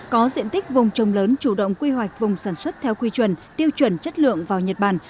có diện tích vùng trồng lớn chủ động quy hoạch vùng sản xuất theo quy chuẩn tiêu chuẩn chất lượng vào nhật bản